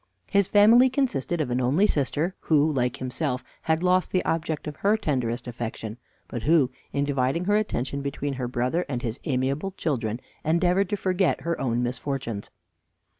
His family consisted of an only sister, who, like himself, had lost the object of her tenderest affection, but who, in dividing her attention between her brother and his amiable children, endeavored to forget her own misfortunes.